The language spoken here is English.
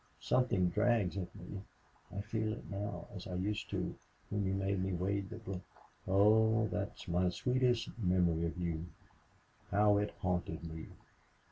Something drags at me... I feel it now as I used to when you made me wade the brook." "Oh! That's my sweetest memory of you. How it haunted me!"